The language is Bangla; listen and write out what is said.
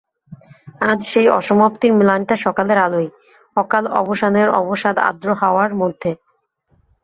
আজ সেই অসমাপ্তির ম্লানতা সকালের আলোয়, অকাল-অবসানের অবসাদ আর্দ্র হাওয়ার মধ্যে।